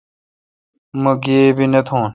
مہ گیبی نہ تھون۔